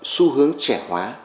xu hướng trẻ hóa